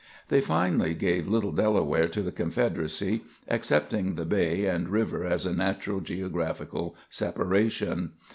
They finally gave little Delaware to the Confederacy, accepting the bay and river as a natural geographical separation.